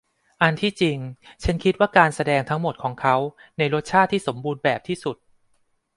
อันที่จริงฉันคิดว่าการแสดงทั้งหมดของเขาในรสชาติที่สมบูรณ์แบบที่สุด